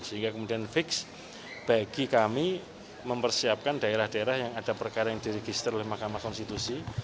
sehingga kemudian fix bagi kami mempersiapkan daerah daerah yang ada perkara yang diregister oleh mahkamah konstitusi